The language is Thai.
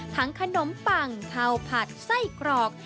ขนมปังข้าวผัดไส้กรอก